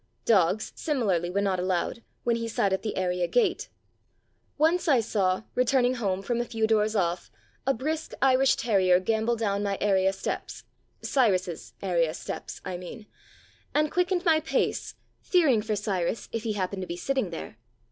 Dogs, similarly, were not allowed, when he sat at the area gate. Once I saw, returning home from a few doors off, a brisk Irish terrier gambol down my area steps (Cyrus's area steps, I mean), 259 There Arose a King and quickened my pace, fearing for Cyrus, if he happened to be sitting there.